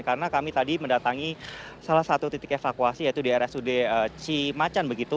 karena kami tadi mendatangi salah satu titik evakuasi yaitu di rsud cimacan begitu